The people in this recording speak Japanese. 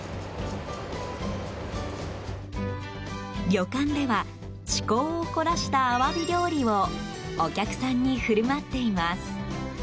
旅館では趣向を凝らしたアワビ料理をお客さんに振る舞っています。